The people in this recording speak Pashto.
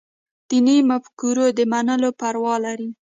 دیني مفکورو د منلو پروا لري.